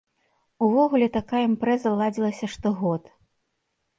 Увогуле такая імпрэза ладзілася штогод.